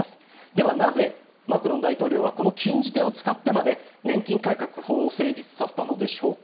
ではなぜ、マクロン大統領はこの禁じ手を使ってまで年金改革法を成立させたのでしょうか。